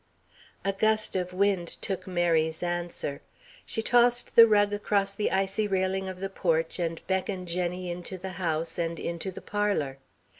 A gust of wind took Mary's answer. She tossed the rug across the icy railing of the porch and beckoned Jenny into the house, and into the parlour.